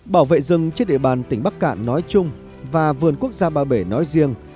bảo vệ rừng trên địa bàn tỉnh bắc cạn nói chung và vườn quốc gia ba bể nói riêng